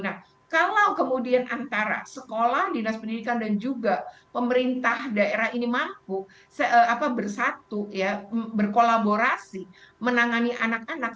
nah kalau kemudian antara sekolah dinas pendidikan dan juga pemerintah daerah ini mampu bersatu ya berkolaborasi menangani anak anak